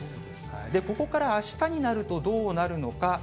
ここからあしたになるとどうなるのか。